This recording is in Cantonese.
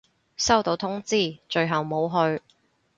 收到通知，最後冇去